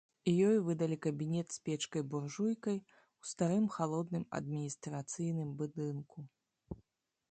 Ёй выдалі кабінет з печкай-буржуйкай у старым халодным адміністрацыйным будынку.